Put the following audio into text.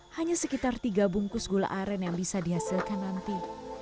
hanya sekitar tiga bungkus gula aren yang bisa dihasilkan nanti